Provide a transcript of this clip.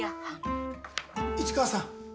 市川さん！